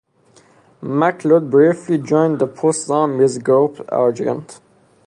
MacLeod briefly joined the post-Zombies group Argent.